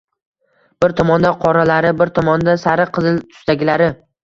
Bir tomonda qoralari, bir tomonda sariq-qizil tusdagilari.